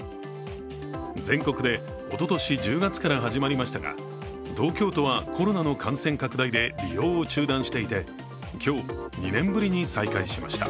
全国でおととし１０月から始まりましたが、東京都はコロナの感染拡大で利用を中断していて、今日、２年ぶりに再開しました。